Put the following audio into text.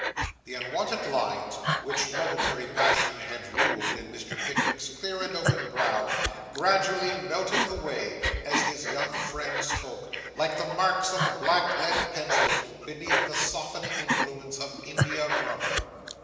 The unwonted lines which momentary passion had ruled in Mr. Pickwick's clear and open brow, gradually melted away, as his young friend spoke, like the marks of a black lead pencil beneath the softening influence of india rubber.